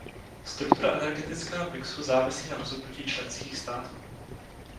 Struktura energetického mixu závisí na rozhodnutí členských států.